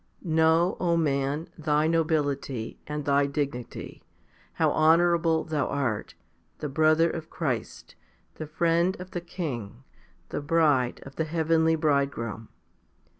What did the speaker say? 1. KNOW, O man, thy nobility and thy dignity, how honourable thou art, the brother of Christ, the friend of the King, the bride of the heavenly Bridegroom.